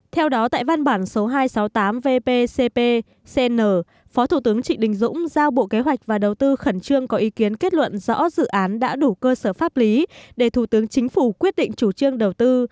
theo đó tại văn bản số hai trăm sáu mươi tám vpcp cn phó thủ tướng trịnh đình dũng giao bộ kế hoạch và đầu tư khẩn trương có ý kiến kết luận rõ dự án đã đủ cơ sở pháp lý để thủ tướng chính phủ quyết định chủ trương đầu tư